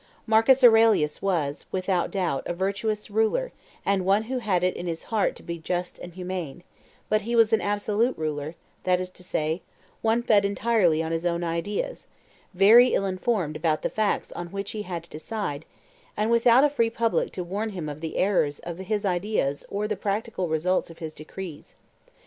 Marcus Aurelius was, without any doubt, a virtuous ruler, and one who had it in his heart to be just and humane; but he was an absolute ruler, that is to say, one fed entirely on his owns ideas, very ill informed about the facts on which he had to decide, and without a free public to warn him of the errors of his ideas or the practical results of his decrees.